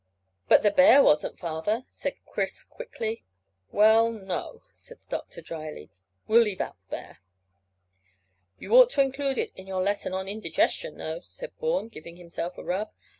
"But the bear wasn't, father," said Chris quickly. "Well, no," said the doctor dryly; "we'll leave out the bear." "You ought to include it in your lesson on indigestion, though," said Bourne, giving himself a rub.